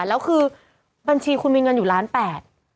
แล้วคือบัญชีคุณมีเงินอยู่ล้านแปด